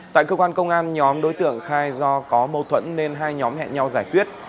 tại cơ quan công an nhóm đối tượng khai do có mâu thuẫn nên hai nhóm hẹn nhau giải quyết